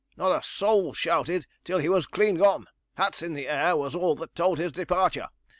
Not a soul shouted till he was clean gone; hats in the air was all that told his departure.